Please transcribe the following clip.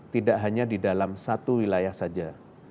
tidak hanya di dalam satu wilayah saja